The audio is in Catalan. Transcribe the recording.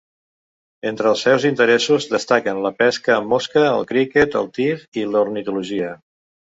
Entre els seus interessos destaquen la pesca amb mosca, el criquet, el tir i l'ornitologia.